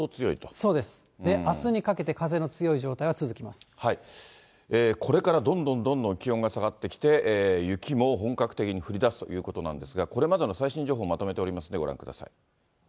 あすにかけて風の強い状態はこれからどんどんどんどん気温が下がってきて、雪も本格的に降りだすということなんですが、これまでの最新情報、まとめておりますんで、ご覧ください。